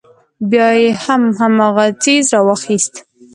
بيا يې هم هماغه څيز راواخيست.